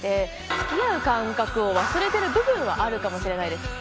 付き合う感覚を忘れてる部分はあるかもしれないです。